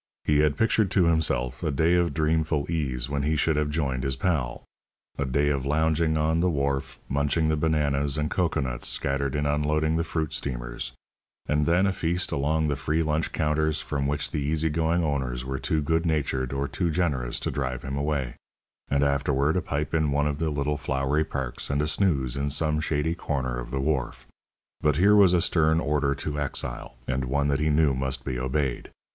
He had pictured to himself a day of dreamful ease when he should have joined his pal; a day of lounging on the wharf, munching the bananas and cocoanuts scattered in unloading the fruit steamers; and then a feast along the free lunch counters from which the easy going owners were too good natured or too generous to drive him away, and afterward a pipe in one of the little flowery parks and a snooze in some shady corner of the wharf. But here was a stern order to exile, and one that he knew must be obeyed.